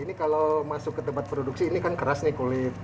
ini kalau masuk ke tempat produksi ini kan keras nih kulit